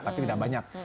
tapi tidak banyak